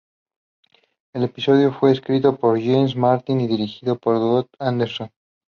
El episodio fue escrito por Jeff Martin y dirigido por Bob Anderson.